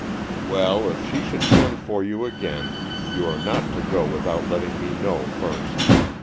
"Well, if she should send for you again, you are not to go without letting me know first.